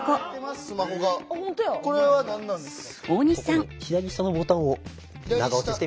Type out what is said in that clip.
これは何なんですか？